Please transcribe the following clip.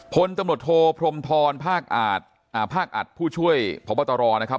พลตำรวจโทพรมทรภาคอาทภาคอาทผู้ช่วยพระบัตรรอนะครับ